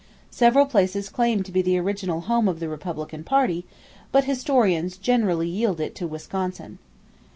Several places claim to be the original home of the Republican party; but historians generally yield it to Wisconsin.